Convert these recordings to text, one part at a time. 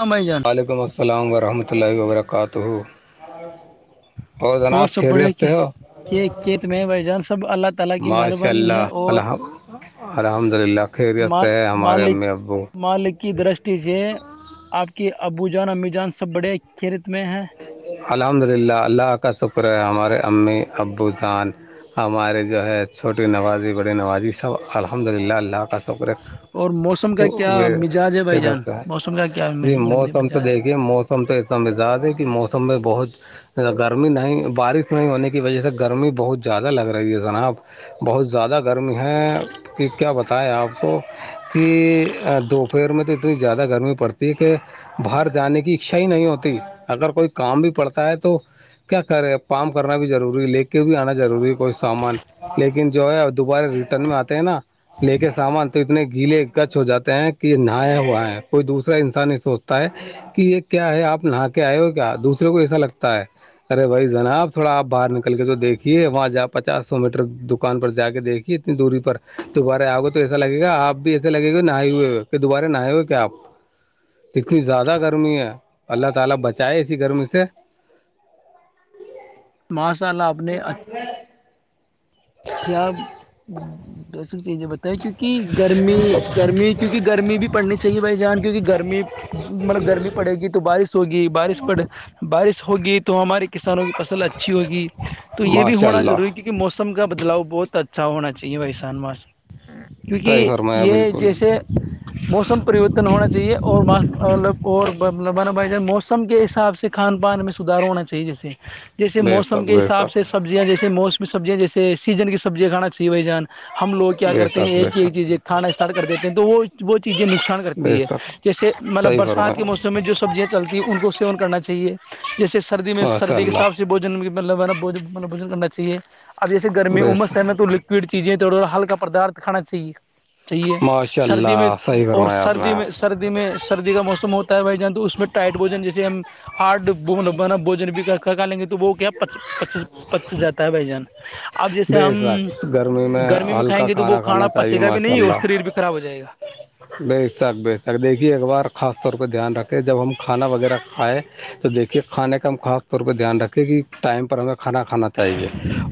سمج جا [unintelligible] وعلیکم السلام ورحمۃ اللہ وبرکاتہ اور جناب سب بڑے خریتتے ہو [unintelligible] کھیت میں بھائی جان سب اللہ تعالی کی ماشاء مہربانی ہے اللہ اور الحم الحمد للہ خیریت سے ہے ہمارے امی ابو ملکی درش [unintelligible] دییے آپ کے ابو جان امی جان سب بڑے کھییرت میں ہیں [unintelligible] الحمد للہ اللہ کا شکر ہے ہمارے امی ابو جان ہمارے جو ہے چھوٹی نوازی بڑی نوازی سب الحمد للہ اللہ کا شکر ا اور موسم کا کیا مزاج ہے بھائی جان ہے موسم کا کیا جی موسم تو مزاج دیکھیے موسم [unintelligible] م پہ اتم مزاد ہے کہ موسم میں بہت [unintelligible] گرمی نہیں بارش نہیں ہونے کی وجہ سے گرمی بہت زیادہ لگ رہی ہے جناب بہت زیادہ گرم ہے کہ کیا بتائیں آپ کو [unintelligible] کہ دوپہر میں تو اتنی زیادہ گرمی پڑتی ہے کہ باہر جانے کی اچھا ہی نہیں ہوتی اگر کوئی کام بھی پڑتا ہے تو کیا کرے پم کرنا بھی ضروری لے کے بھی آنا ضروری ہے کوئی سامان [unintelligible] لیکن جو ہے دوبارہ ریٹرن میں آتے ہیں نا لے کے سامان تو اتنے گیلے گچ ہو جاتے ہیں کہ یہ نہایا ہوا ہے کوئی دوسرا انسان ہی سوچتا ہے کہ یہ کیا ہے آپ نہا کے آئے ہو کیا دوسرے کو ایسا لگتا ہے ارے بھائی جناب تھوڑا آپ باہر نکل کے تو دیکھیے وہاں جا پچاس سو میٹر دکان پر جا کے دیکھیے اتنی دوری پر دوبارہ آ گے تو ایسا لگے گاپ بھی ایسے لگے گئے نہئے ہوئے کہ دوبارہ نہ ہوئے کیا آ [unintelligible] [inaudible] اتنی زیادہ گرمی ہے تعالا بچائے اسی گرمی سے [unintelligible] ماشاء اللہ اپنے اھ [unintelligible] خیا دو س چی یہ بتائیں کیونکہ گرمی گرمی [unintelligible] کیونکہ گرمی بھی پڑنی چاہیے بھائی جان کیونکہ گرمی مطلب گرمی پڑے گی تو بارش ہوگی بارش پڑے بارش ہوگی تو ہمارے کسانوں کی فصل اچھی ہوگی تو یہ بھی ماشاء ہونا اللہ ضروری کیون کہ موسم موسم کا بدلاؤ بہت اچھا ہونا چاہیے وشان موسم صحیح کیونکہ فرمایا یہ بالکل جیسے موسم پرریورتن ہونا چاہیے اور اوربانا بھائی جان موسم کے حساب سے خھان پان میں سھار ہونا چاہیے جیسے جیسے بے موسم شک کے بے حساب شک سے سبزیا جیسے موسمی سبزیاں جیس سیزن کی سبزیاں کھا چاہی بائی جان ہم لوگ کیا بے کرتے ہیں شک بے ایک ایک شک چیزیں کھانا اسٹارٹ کر دیتے ہیں تو وہ وہ چیزیں نقصان کرتے بے ہیں ہوتی ہے شک جیسے مطلب صحیح برسات فرمایا کے موسم میں جو سبزیاں چلتی ہیں ان کو سیون کرنا چاہیے جیسے سردی میں ماشاء سردی کے اللہ حساب سے بوجن مطلبا ملبھوج کرنا چاہیے اب جیے گرمی بے عمس سنت شک تو لکھ کے پیٹ چیزیں تھوڑا ہلکا پدارتھ کھا چاہیے چاہیے ماشاء سردی میں اللہ صحیح اور فرمایا آپ نے سردی میں سردی سی میں سردی کا موسم ہوتا ہے بھائی جان تو اس میں ٹائٹ بوجن جیے ہم آٹھ با بوجن بھی کرا لیں گے تو وہ کیاس پچیس جاتا ہے بھائی جان اب جیسے بے ہم شک گرمی گرمی میں کھائیں ہلکا گے تو وہ کھانا چاہیے پچے گا بھی ماشاء نہیں اور اللہ شریر بھی خراب ہو جائے گا بے شک بے شک دیکھیے ایک بار خاص طور پہ دھیان رکھے جب ہم کھانا وغیرہ کھائے تو دیکھیے کھانے کا ہم خاص طور پہ دھیان رکھھیے کہ ٹائم ہمیں کانا کھانا چے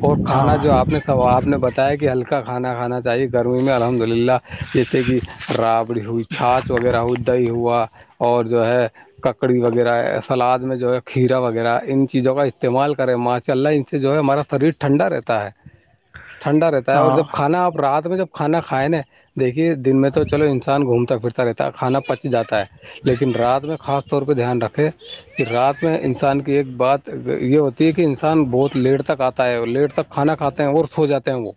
اور کھانا جو ہاں آپ نے آپ نے بتایا کہ ہلکا کھانا کھانا جاہیے گرمی میں الحمد للہ جیسے کہ رابڑی ہوئی چھاچھ وغیرہ ہوئی دہی ہوا اور جو ہے ککڑی وغیرہ سلاد میں جو ہے کھیرا وغیرہ ان چیزوں کا استعمال کریں ماچ چل رہ ہے ان سے جو ہے ہمارا شریر ٹھنڈا رہتا ہے [inaudible] ٹھنڈا رہتا ہے اور ہاں جب کھانا آپ رات میں جب کھانا کھائےیں نا دیکھیے دن میں تو چلو انسان گھومتا پھرتا رہتا ہے کھانا پچ جاتا ہے لیکن رات میں خاص طور پہ دھیان رکھے کہ رات میں انسان کی ایک بات یہ ہوتی ہے کہ انسان بہت لیٹ تک آتا ہے اور لیٹ تک کھانا کات ہیں اور سھو جاتے ہیں وہ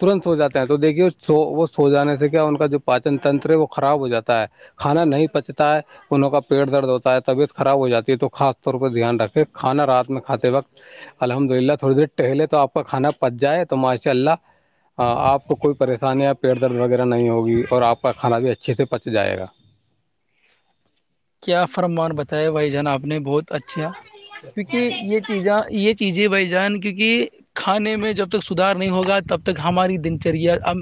ترنت سو جاتے ہیں تو دیکھیے وہ سو جانے سے کیا ان کا جو پاچن تنتر ہے وہ خراب ہو جاتا ہے کھانا نہیں پچتا ہے انوں کا پیٹ درد ہوتا ہے طبیعت خراب ہو جاتی ہے تو خاص طور پہ دھیان رکھے کھانا رات میں کھاتے وقت الحمد للہ تھوڑی دیر ٹہلے تو آپ کا کانا پچ جائے تو ماشاء اللہ آپ کو کوئی پریشانیاں پیٹ درد وغیرہ نہیں ہوگی اور آپ کا کھانا بھی اچھے سے پچ جائے گا کیا فرمان بتیا بھائی جان آپ نے بہت اچھا کیونکہ یہ چیزاں یہ چیزیں بھائی جان کیونکہ کھانے میں جب تک سدار نہیں ہوگا تب تک ہماری دنچریا اب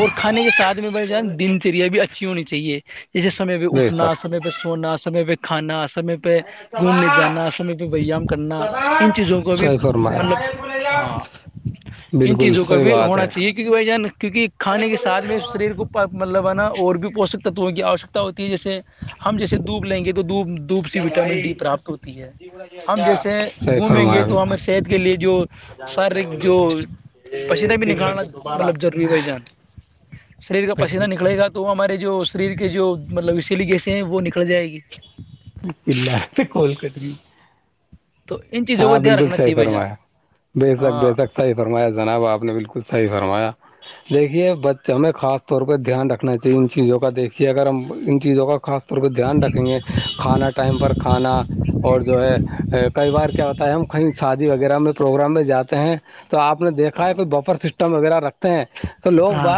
اور کھانے کے ساتھ میں نا دنچریا بھی اچھی ہونی چاہیے جیسے سمے پہ جی اٹھنا سر سمے پہ سونا سمے پہ کھانا سمے پہ پہ گھومنے جانا سمے پہ ویایام کرنا ان چیزوں کو بھی صحیح فرمایا مطلب ہاں ان بالکل چیزوں کا صحیح بھی بات ہونا ہے چاہیے کہ وجہ کیونکہ کھے کے ساتھ میں شریر کو مطلبانا اور بھی پوشک تتووں کی آوش ہوتی ہے جیسے ہم جیسے دوب لیں گے تو دوپ دوپ سی وٹامن ڈی پراپت ہوتی ہے ہم جیسے صحیح گھومیں گے فرمایا تو ہمیں صحت کے لیے جو شارییرک جو پسینہ بھی نکھالنا مطلب ضروری بھائی جان شریر کا پسیینہ نکلے گا تو ہمارے جو شریر کے جو مطلب اسی لیگیسے ہیں وہ نکل جائےیں گی کلا کولکٹری تو ان چیزوں کا ہاں دھیان بالکل رکھنا صحیح چاہیے بھائی فرمایا جان بے شک بے ہاں شک صحیح فرمایا جناب آپ نے بالکل صحیح فرمایا دیکھیے بچ ہمیں خاص طور پہ دھیان رکھنا چاہیے ان چیزوں کا دیکھیے اگر ہم ان چیزوں کا خاص کو دھیان رکھیں گے کھانا ٹائم پر کھانا اور جو ہے کئی بار کیا ہوتا ہے ہم کہیں شادی وغیرہ میں پروگرام میں جاتے ہیں تو آپ نے دیکھا ہے کوئی بفر سسٹم وغیرہ رکھتے ہیں تو لوگ ہاں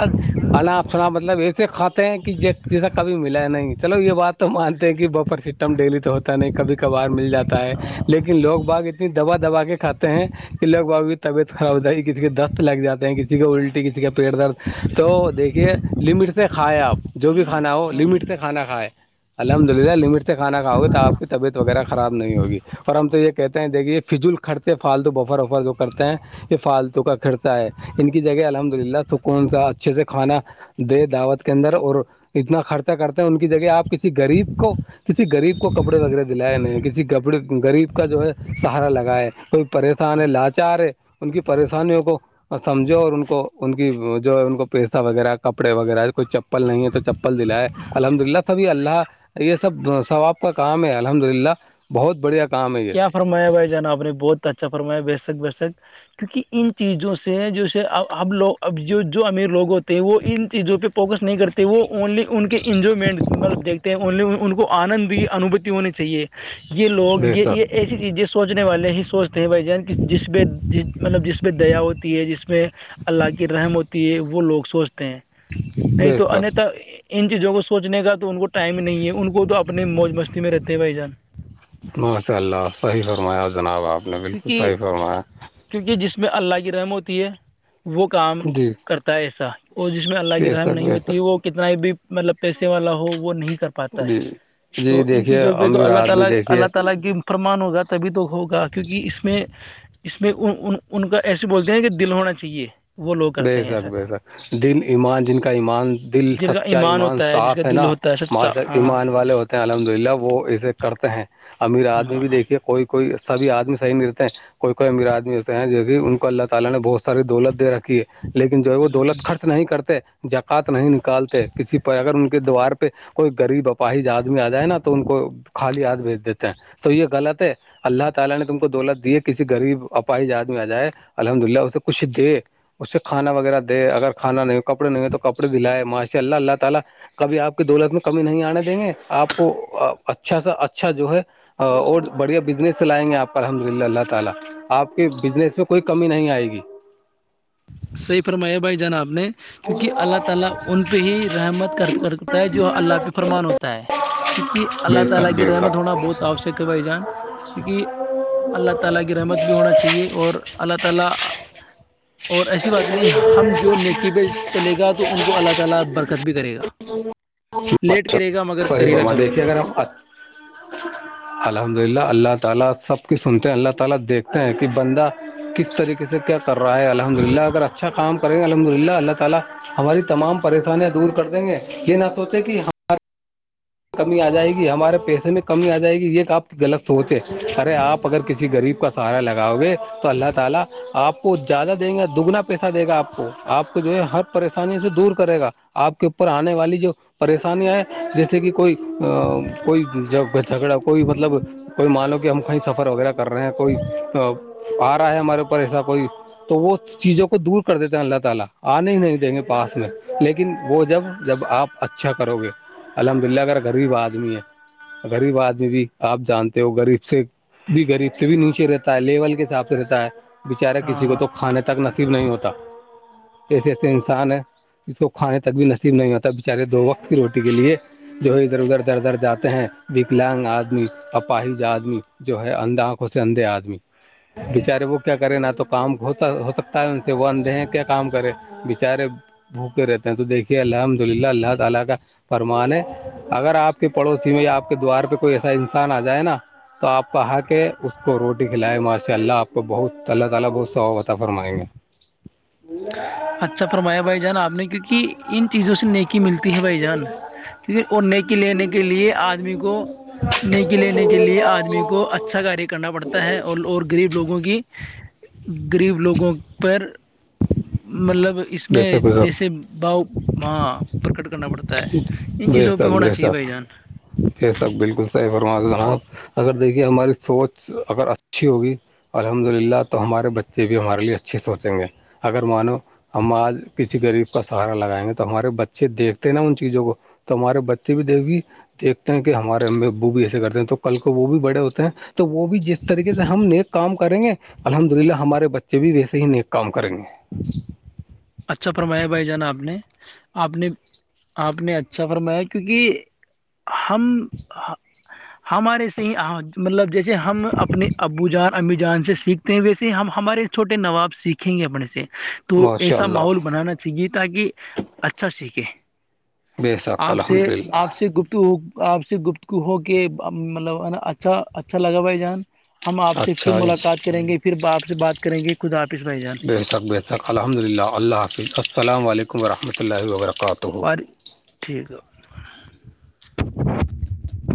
آپ سنا مطلب ایسے کھاتے ہیں کہ جیسا کبھی ملا ہے نہیں چلو یہ بات تو مانتے ہیں کہ بپر ڈیلی تو ہوتا نہیں کبھی کبھار مل جاتا ہے لیکن لوگ باغ اتنی دبا دبا کے کھاتے ہیں کہ لگ اب کی طبیعت خراب ہو ہے کسی کے دست لگ جاتے ہیں کسی کا الٹی کسی کا پیٹ درد تو دیکھیے لمٹ سے کھائے آپ جو بھی کھانا ہو ہاں لمٹ سے کھانا کھائے الحمد للہ لمٹ سے کھانا کھاؤے تو آپ کی طبعت وغیرہ خراب نہیں ہوگی اور ہم تو یہ کہتے ہیں دیکھیے فجل کھرتے فالتو بفر وفر جو کرتے ہیں یہ فالتو کا کرتا ہے ان کی جگہ الحمد للہ سکون کا اچھے سے کھانا دے دعوت کے اندر اور اتنا خرچہ کرتے ہیں ان کی جگہ آپ کسی غریب کو کسی غریب کو کپڑے وغیرہ دلائے نہیں کسی گبڑے غریب کا جو ہے سہارا لگائے کوئی پریشان ہے لاچار ہے ان کی پریشانیوں کو اور سمجھو اور ان کو ان کی جو ان کو پیسہ وغیرہ کپڑے وغیرہ کوئی چپل نہیں ہے تو چپل دلائے الحمد للہ تبھی اللہ یہ سب سب آپ کا کام ہے الحمد للہ بہت بڑھیا کام یہ کیا فرمایا بھائی جان آپ نے بہت اچھا فرمایا بےشک بےشک کیونکہ ان چیزوں سے جیسے اب لوگ اب جو جو امیر لوگ ہوتے ہیں وہ ان چیزوں پہ فوکس نہیں کرتے تو وہ اونلی ان کے انجوائمنٹ مطلب دیکھتے ہیں اونلی ان کو آنند انوبھتی ہونی چاہیے یہ لوگ بے یہ یہ شک ایسی چیز سوچنے والے ہی سوچ ہیں بھائی جان جس پہ جس مطلب جس پہ دیا ہوتی ہے جس میںہ اللہ کی رحم ہوتی ہے وہ لوگ سوچتے ہیں نہیں بے تو شک انیہتا ان چیزوں کو سوچنے کا تو ان کو ٹائم نہیں ہے ان کو تو اپنے موج مستی میں رہتے ہیں بھائی جان ماشاء اللہ صحیح فرمایا جناب آپ نے بالکل کیونکہ صحیح فرمایا کیونکہ جس میں اللہ کی رحم ہوتی ہے وہ کام جی کرتا ہے ایسا اور جس میں اللہ کی بے رحم شک نہیں بے ہوتی وہ شک کتنا بھی مطلب پیسے والا ہو وہ نہیں کر پاتا ہے جی جی تو ان دیکھیے چیزوں پہ تو امیر اللہ تعالی آدمی دیکھیے اللہ تعالی کی فرمان ہوگا تبھی تو ہوگا کہ کیونکہ اس میں اس میں ان کا ایسے بولتے ہیں کہ دل ہونا چاہیے وہ لوگ بے کرتے ہیں شک ایسا بے شک دل ایمان جن کا ایمان دل جن کا سچا ایمان ہوتا جس کا صاف ہے دل نا ہوتا سچا مج تک ہاں ایمان والے ہوتے ہیں الحمد للہ وہ اسے کرتے ہیں امیر آت میں بھی ہاں دیکھیے کوئی بھی کوئی سب آدمی صیح نہیںتے ہیں کوئی کوئی امیر آدمی ہوتے ہیں جو کہ ان کو اللہ تعالی نے بہت ساری دولت دے رکھی ہے لیکن جو ہے وہ دولت خرچ نہیں کرتے جکات نہیں نکالتے کسی پر اگر ان کے دیوار پہ کوئی غریب اپاہی آدمی آ جائے نا تو ان کو خالی ہاتھ بھیج دیتے ہیں تو یہ غلط ہے اللہ تعالی نے تم کو دولت دی کسی غریب پائی جات میں آ جائے الحمد للہ اسے کچھ دے اس سے کانا وغیرہ دے اگر کھانا نہیں ہو کپڑے نہیں ہو تو کپڑے دلائے معاشی اللہ اللہ تعالی کبھی آپ کی دولت میں کمی نہیں آنے دیں گے آپ کو اچھا سا اچھا جو ہے اور بڑیا بزنس چلائیں گے آپ الحمد للہ اللہ تعالی آپ کے بزنس میں کوئی کمی نہیں آئے گی صحیح فرمایا بھائی جان آپ نے کیونکہ اللہ تعالی ان پہ ہی رحمت کر کرتا ہے جو اللہ پہ فرمان ہوتا ہے کیونکہ اللہ بے تعالی شک کی بے رحمت ہونا بہت آوشک ہے بھائی جان کیونکہ اللہ تعالی کی رحمت بھی ہونا چاہیے اور اللہ تعالی اور ایسی بات اچھا نہیں ہم جو نیکی پہ چلے گا تو ان کو اللہ تعالی برکت بھی کرے گا لیٹ کرے گا مگر صحیح کرے گا بما ضرور دیکھیے اگر ہم الحمد للہ اللہ تعالی سب کی سنتے ہیں اللہ تعالی دیکھتے ہیں کہ بندہ کس طریقے سے کیا کر رہا ہے الحمد للہ اگر اچھا کام یں الحمد للہ اللہ تعالی ہماری تمام پریشانیاں دور کر دیں گے یہ نہ سوچیں کہ ہم کمی آ جائے گی ہمارے پیسے میں کمی آ جائے گی یہ آپ کی غلط سوچ ہے ارے آپ اگر کسی غریب کا سارا لگاؤ گے تو اللہ تعالی آپ کو زیادہ دیں گے دگنا پیسہ دے گ آپ کو آپ کو جو ہے ہر پریشانی سے دور کرے گا آپ کے اوپر آنے والی جو پریشانییاں ہیں کہ کوئی کوئی جھگڑا کوئی مطلب کوئی مان لو کہ ہم کہیں سفر وغیرہ کا کر رہے ہیں کوئی آ رہا ہے ہمارے اوپر ایسا کوئی تو وہ چیزوں کو دور کر دیتے ہیں اللہ تعالی آنے ہی نہیں دیں گے پاس میں لیکن وہ جب جب آپ اچھا کرو گے الحمد للہ اگر غریب آدمی ہے غریب آدمی بھی آپ جانتے ہو غریب سے بھی غریب سے بھی نیچے رہتا ہے لیول کے حساب سے رہتا ہے بچارا ہاں کسی کو ہاں تو کھانے تک نہ نہیں ہوتا ایسے ایسے انسان ہے جس کو کھانے تک بھی نصیب نہیں ہوتا بچارے دو وقت کی روٹی کے لیے جو ادھر ادھر دھر ادھر جاتے ہیں وکلگ آدمی اپاہج آدمی جو ہے اندا آنکھوں سے اندھے آدمی بچارے وہ کیا کرے نہ تو کام ہوتا ہو سکتا ہے ان سے وہ اندے ہیں کیا کام کرے بیچارے منہ پہ رہتے ہیں تو دیکھیں الحمدللہ اللہ تعالی کا فرمان ہے اگر آپ کے پڑوسی میں یا آپ کے دووار پہ کوئی ایسا انسان آ جائے نا اپ کا حق ہے اس کو روٹی کھلائے ماشاءاللہ اپ کو بہت اللہ تعالی بہت س عطا فرمائے گا [inaudible] ج اچھا فرمایا بھائی جان آپ نے کیوںک ان چیزوں سے نیکی ملتی ہے بھائی جان ٹھیک ہے اور نیکی لینے کے لیے آدمی کو نیکی لینے کے لیے آدمی کو اچا اچھا کاریہ کرنا پڑتا ہے اور اور غریب لوگوں کی غریب لوگوں پر مطلب اس بے میں شک بے شک جیسے باؤ وہاں پرکٹ کرنا پڑتا ہے ان بے چیزوں پہ شک ہونا بے چاہیے شک بھائی جان یہ سب بالکل صحیح فرما اور جناب اگر دیکھیے ہماری سوچ اگر اچھی ہوگی الحمد للہ تو ہمارے بچے بھی ہمارے لیے اچھے سوچیں گے اگر مانو ہم آج کسی غریب کا سہارا لگائیں گے تو ہمارے بچے دیکھ نا ان چیزوں کو ت ہمارے بچے بھی دیک گی دیکھتے ہیں کہ ہمارے ابو بھی ایسے کرتے ہیں تو کل کو وہ بھی بڑے ہوتے ہیں تو وہ بھی جس طریقے سے ہم نیک کام کریں گے الحمد للہ ہمارے بچے بھی ویسے ہی نیک کام کریں گے اچھا فرمایا بھائی جان آپ نے آپ نے آپ نے اچھا فرمایا کیونکہ ہم ہمارے ص ہی مطلب جیسے ہم اپنے ابو جان امی جان سے سیکھتے ہیں ویسے ہی ہمارے چھوٹے نواب سیکھیں گے اپنے سے تو ماشاء ایسا اللہ ماحول بنا بنانا چاہیے تاکہ اچھا سیکھے بے شک آپ سے الحمد آپ للہ سے گپت ہو آپ سے گپت کو ہو کے مطلبا اچھا اچھا لگا بھائی جان ہم آپ سے پھر اچھا ملاقات کریں گے پھر ب آپ سے بات کریں گے خود آاپس بھائی جان بے ح تک ب تک الحمد للہ اللہ حافظ السلام علیکم رحمۃ اللہ و برکاتہ اور ٹھیک ہے [inaudible]